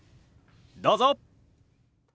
どうぞ！